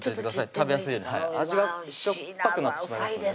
食べやすいように味がしょっぱくなってしまいますからね